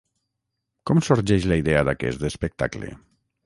Com sorgeix la idea d’aquest espectacle?